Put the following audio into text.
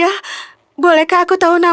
ya bolehkah aku tahu